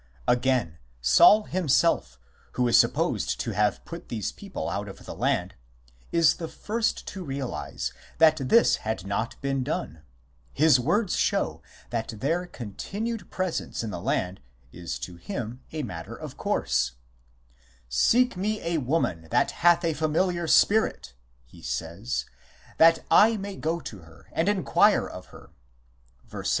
Again, Saul him self, who is supposed to have put these people out of the land, is the first to realize that this had not been done ; his words show that their continued presence in the land is to him a matter of course :" Seek me a woman that hath a familiar spirit," he says, " that I may go to her, and enquire of her " (verse 7).